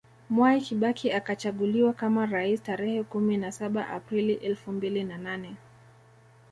Mwai Kibaki akachaguliwa kama rais Tarehe kumi na saba Aprili elfu mbili na nane